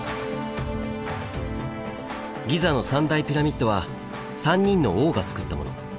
ギザの３大ピラミッドは３人の王がつくったもの。